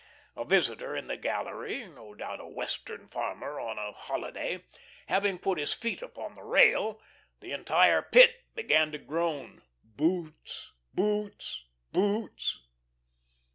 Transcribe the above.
A visitor in the gallery no doubt a Western farmer on a holiday having put his feet upon the rail, the entire Pit began to groan "boots, boots, boots."